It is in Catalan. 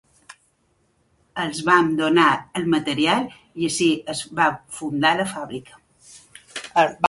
Els vam donar el material i així es va fundar la fàbrica.